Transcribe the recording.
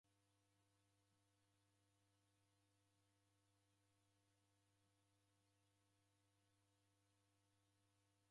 Bunduki nyingi regulwa eri ritumilo kulwa na w'ahalifu.